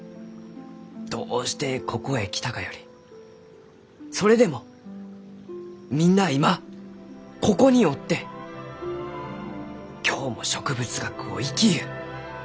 どうしてここへ来たかよりそれでもみんなあ今ここにおって今日も植物学を生きゆう。